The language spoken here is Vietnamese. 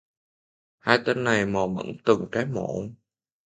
Hai tên này mò mẫm từng cái mộ